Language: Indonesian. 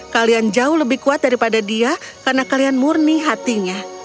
kalian jauh lebih kuat daripada dia karena kalian murni hatinya